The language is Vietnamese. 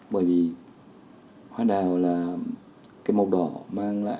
bởi vì hoa đào là cái màu đỏ mang lại